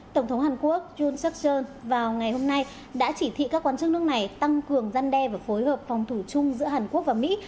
tổng thống hàn quốc yun sukon vào ngày hôm nay đã chỉ thị các quan chức nước này tăng cường gian đe và phối hợp phòng thủ chung giữa hàn quốc và mỹ